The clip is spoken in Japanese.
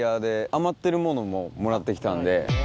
余ってるものももらってきたんで。